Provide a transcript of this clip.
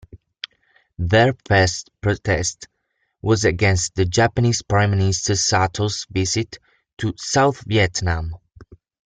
Their first protest was against the Japanese Prime Minister Sato's visit to South Vietnam.